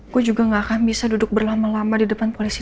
gue juga gak akan bisa duduk berlama lama di depan polisi